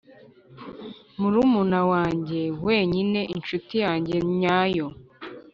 murumuna wanjye wenyine ... inshuti yanjye nyayo